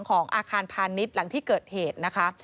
ของอาคารพาณิชย์หลังที่เกิดเหตุนะคะ